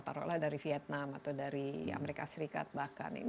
taruh lah dari vietnam atau dari amerika serikat bahkan